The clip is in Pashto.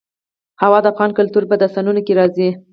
هوا د افغان کلتور په داستانونو کې راځي.